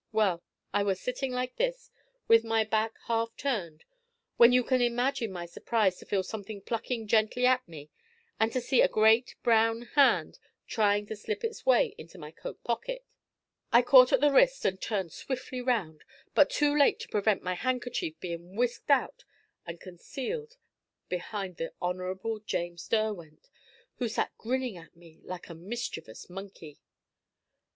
Well, I was sitting like this with my back half turned, when you can imagine my surprise to feel something plucking gently at me, and to see a great brown hand trying to slip its way into my coat pocket. I caught at the wrist and turned swiftly round, but too late to prevent my handkerchief being whisked out and concealed behind the Hon. James Derwent, who sat grinning at me like a mischievous monkey.